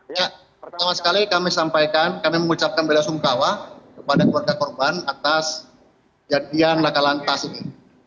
ya pertama sekali kami sampaikan kami mengucapkan bela sungkawa kepada keluarga korban atas jadian laka lantas ini